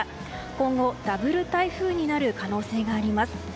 今後、ダブル台風になる可能性があります。